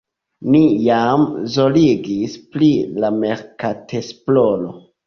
Ni jam zorgis pri la merkatesploro.